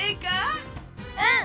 うん！